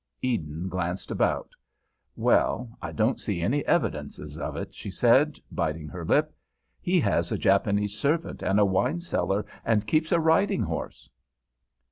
Eden glanced about. "Well, I don't see any evidences of it," she said, biting her lip. "He has a Japanese servant and a wine cellar, and keeps a riding horse."